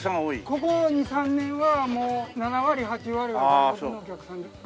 ここ２３年はもう７割８割は外国のお客さんです。